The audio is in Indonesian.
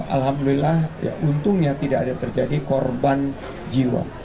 alhamdulillah untungnya tidak ada terjadi korban jiwa